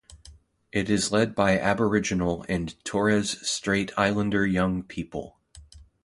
It is led by Aboriginal and Torres Strait Islander young people.